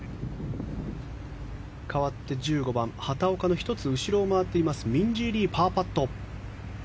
かわって１５番畑岡の１つ後ろを回っているミンジー・リー、パーパット。